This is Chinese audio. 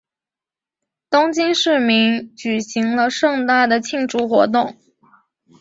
东京市民举行了盛大的庆祝活动。